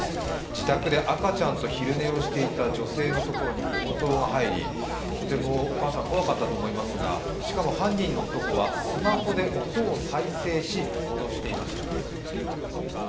自宅で赤ちゃんと昼寝をしていた女性のところに強盗が入りとてもお母さん、怖かったと思いますがしかも犯人の男はスマホで音を再生し脅していました。